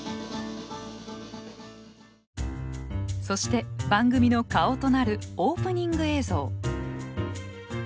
そして番組の顔となるオープニング映像。